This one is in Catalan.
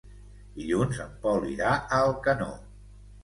Dilluns en Pol irà a Alcanó.